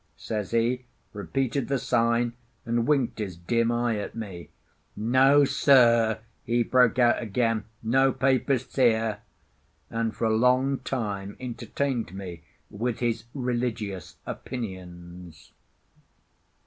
says he, repeated the sign, and winked his dim eye at me. "No, sir!" he broke out again, "no Papists here!" and for a long time entertained me with his religious opinions.